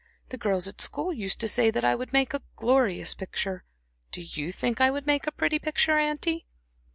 The girls at school used to say that I would make a glorious picture. Do you think I would make a pretty picture, auntie?"